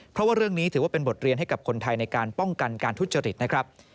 เพราะว่าเรื่องนี้ถือว่าเป็นบทเรียนให้กับคนไทยในการป้องกันการทุจริตนะครับ